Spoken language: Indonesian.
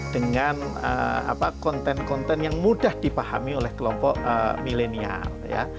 dengan konten konten yang mudah dipahami oleh kelompok milenial ya